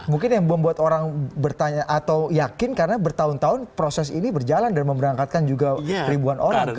mungkin yang membuat orang bertanya atau yakin karena bertahun tahun proses ini berjalan dan memberangkatkan juga ribuan orang